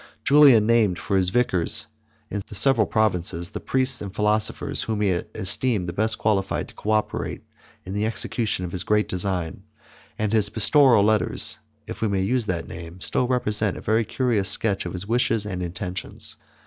Julian named for his vicars, in the several provinces, the priests and philosophers whom he esteemed the best qualified to cooperate in the execution of his great design; and his pastoral letters, 37 if we may use that name, still represent a very curious sketch of his wishes and intentions.